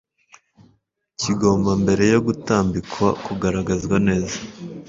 kigomba mbere yo gutandikwa kugaragazwa neza